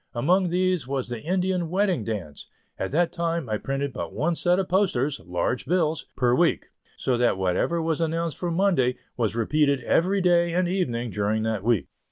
Among these was the Indian Wedding Dance. At that time I printed but one set of posters (large bills) per week, so that whatever was announced for Monday, was repeated every day and evening during that week.